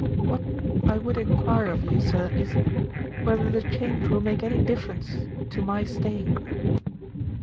What I would inquire of you, sir, is, whether the change will make any difference to my staying?"